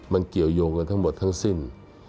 มันเกี่ยวยงกันทั้งหมดทั้งสิ้น